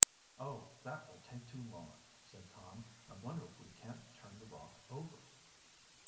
"Oh, that will take too long," said Tom. "I wonder if we can't turn the rock over?"